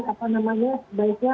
apa namanya sebaiknya